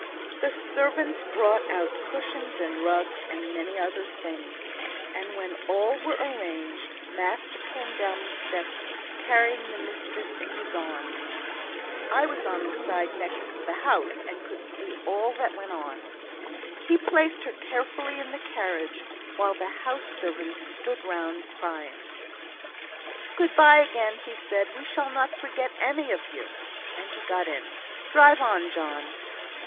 The servants brought out cushions and rugs and many other things; and when all were arranged master came down the steps carrying the mistress in his arms (I was on the side next to the house, and could see all that went on); he placed her carefully in the carriage, while the house servants stood round crying. "Good by, again," he said; "we shall not forget any of you," and he got in. "Drive on, John."